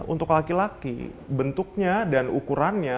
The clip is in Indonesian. untuk laki laki bentuknya dan ukurannya